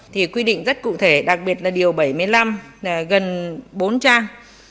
thì quy định rất cụ thể đặc biệt là điều bảy mươi năm là gần bốn trang